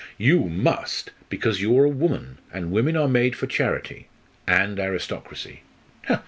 "You must, because you are a woman; and women are made for charity and aristocracy."